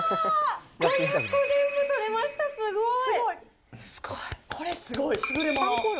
５００個全部取れました、すごい。